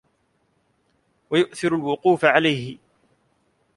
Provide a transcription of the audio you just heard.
وَيُؤْثِرُ الْوُقُوفَ عَلَيْهِ